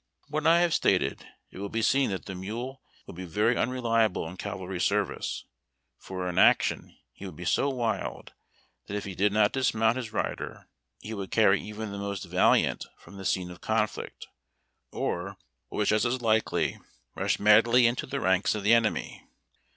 From what I have stated, it will be seen that the mule would be very unreliable in cavalry service, for in action he would be so wild that if he did not dismount his rider he would carry even the most valiant from the scene of conflict, or, what was just as likel}^ rush madly into the ranks of the enemy.